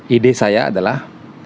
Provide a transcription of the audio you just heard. ide saya adalah